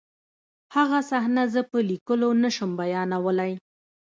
هغه صحنه زه په لیکلو نشم بیانولی